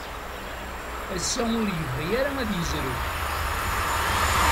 Ass-a, ur yebɣi ara ad yezrew.